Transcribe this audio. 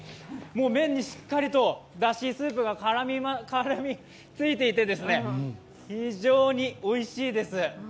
もう麺にしっかりと、だし、スープが絡みついていて、非常においしいです。